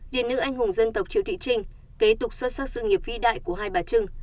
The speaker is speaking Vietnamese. điện nữ anh hùng dân tộc triệu thị trinh kế tục xuất sắc sự nghiệp vĩ đại của hai bà trưng